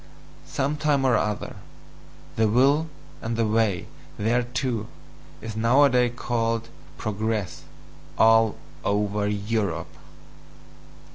Some time or other the will and the way THERETO is nowadays called "progress" all over Europe.